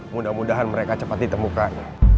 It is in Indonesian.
mudah mudahan mereka cepat ditemukan